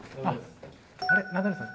あっ。